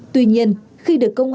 tuy nhiên khi được công tác